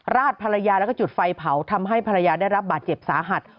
ดภรรยาแล้วก็จุดไฟเผาทำให้ภรรยาได้รับบาดเจ็บสาหัส